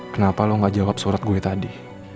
kenapa lo gak jawab surat gue tadi